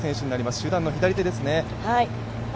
集団の左手ですね。